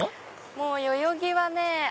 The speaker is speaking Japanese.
もう代々木はね